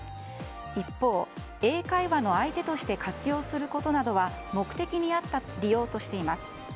一方、英会話の相手として活用することなどは目的に合った利用としています。